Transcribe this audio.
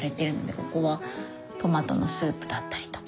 ここはトマトのスープだったりとか。